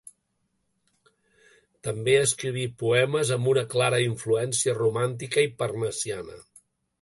També escriví poemes amb una clara influència romàntica i parnassiana.